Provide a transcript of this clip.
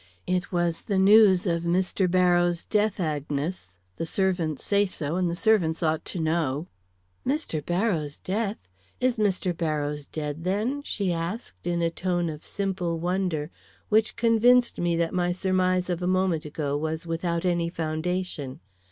"It was the news of Mr. Barrows' death, Agnes; the servants say so, and the servants ought to know." "Mr. Barrows' death! Is Mr. Barrows dead, then?" she asked, in a tone of simple wonder, which convinced me that my surmise of a moment ago was without any foundation.